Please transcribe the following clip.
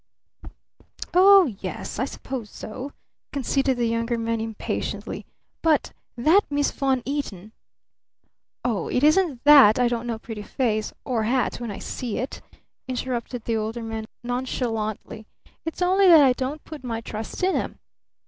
"Oh, yes I suppose so," conceded the Younger Man impatiently. "But that Miss Von Eaton " "Oh, it isn't that I don't know a pretty face or hat, when I see it," interrupted the Older Man nonchalantly. "It's only that I don't put my trust in 'em."